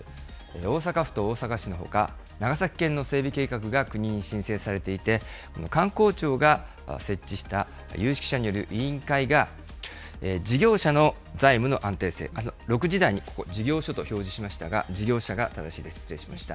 大阪府と大阪市のほか、長崎県の整備計画が国に申請されていて、観光庁が設置した有識者による委員会が、事業者の財務の安定性、６時台に、事業所と表示しましたが、事業者が正しいです、失礼しました。